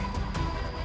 gusti yang agung